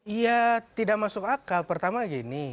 iya tidak masuk akal pertama lagi ini